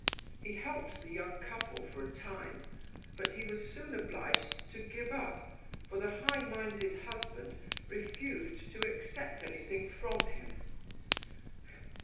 He helped the young couple for a time, but he was soon obliged to give up, for the high minded husband refused to accept anything from him.